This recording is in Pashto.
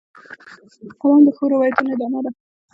قلم د ښو روایتونو ادامه ده